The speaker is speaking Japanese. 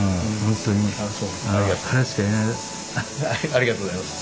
ありがとうございます。